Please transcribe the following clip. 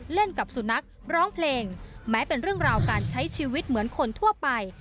เล่นกับสุนัขร้องเพลงแม้เป็นเรื่องราวการใช้ชีวิตเหมือนคนทั่วไป